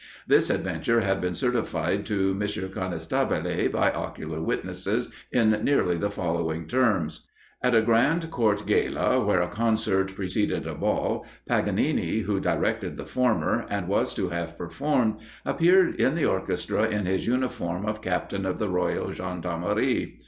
This adventure had been certified to M. Conestabile by ocular witnesses, in nearly the following terms: At a grand Court gala, where a concert preceded a ball, Paganini, who directed the former, and was to have performed, appeared in the orchestra in his uniform of captain of the royal gendarmerie.